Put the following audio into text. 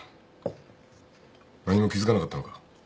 何も気付かなかったのか。